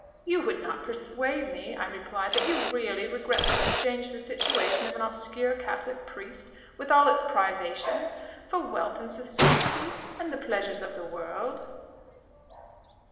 "You would not persuade me," I replied, "that you really regret to exchange the situation of an obscure Catholic priest, with all its privations, for wealth and society, and the pleasures of the world?"